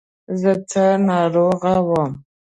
زه څه ناروغه وم.